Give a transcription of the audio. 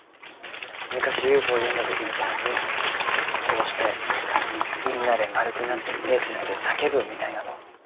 昔ＵＦＯ呼んだ時みたいにこうしてみんなで円くなって手つないで叫ぶみたいなの。